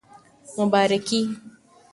مبارکي